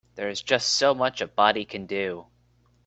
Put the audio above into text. There's just so much a body can do.